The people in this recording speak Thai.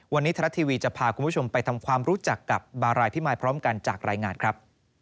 วันนี้ทรัฐทีวีจะพาคุณผู้ชมไปทำความรู้จักกับบารายพิมายพร้อมกันจากรายงานครับ